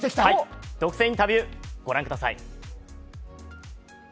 独占インタビューご覧ください。